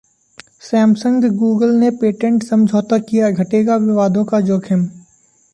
Samsung, Google ने patent समझौता किया, घटेगा विवादों का जोखिम